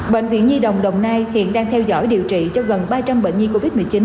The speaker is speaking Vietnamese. bệnh viện nhi đồng đồng nai hiện đang theo dõi điều trị cho gần ba trăm linh bệnh nhi covid một mươi chín